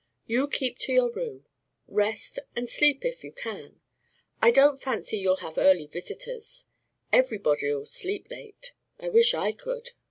You keep to your room. Rest, and sleep if you can. I don't fancy you'll have early visitors. Everybody'll sleep late. I wish I could!"